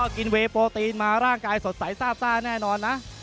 กินเวย์โปรตีนมาร่างกายสดใสซ่าแน่นอนนะ